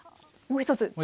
もう一つ。